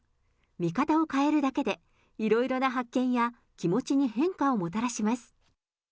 見方を変えるだけで、いろいろな発見や気持ちに変化をもたらします。